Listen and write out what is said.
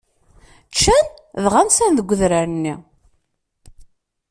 Ččan, dɣa nsan deg udrar-nni.